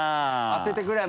当ててくれ！